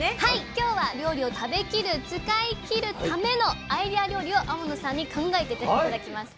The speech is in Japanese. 今日は料理を食べきる使いきるためのアイデア料理を天野さんに考えて頂きます。